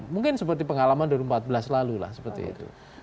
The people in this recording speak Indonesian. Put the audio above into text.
mungkin seperti pengalaman dua ribu empat belas lalu lah seperti itu